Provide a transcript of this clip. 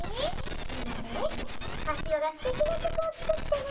いまねかしわがすてきなきょくをつくってね。